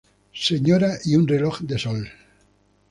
Señora y un reloj de sol.